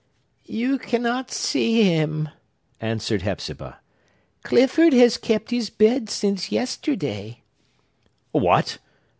"You cannot see him," answered Hepzibah. "Clifford has kept his bed since yesterday." "What!